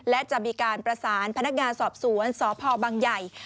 และจะมีการประสานพนักงานสอบสวนสพบังใหญ่